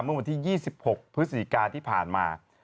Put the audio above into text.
เมื่อวันที่๒๖พฤศจิกาที่ผ่านมา